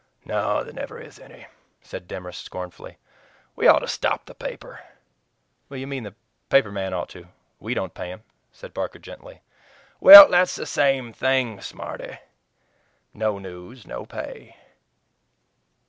"No. There never is any," said Demorest scornfully. "We ought to stop the paper." "You mean the paper man ought to. WE don't pay him," said Barker gently. "Well, that's the same thing, smarty. No news, no pay.